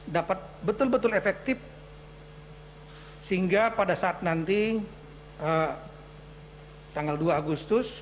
dapat betul betul efektif sehingga pada saat nanti tanggal dua agustus